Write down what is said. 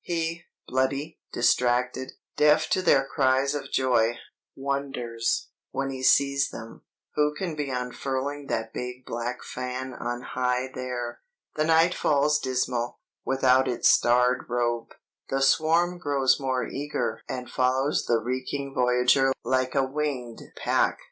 He, bloody, distracted, deaf to their cries of joy, wonders, when he sees them, who can be unfurling that big black fan on high there. "The night falls dismal, without its starred robe, the swarm grows more eager and follows the reeking voyager like a winged pack.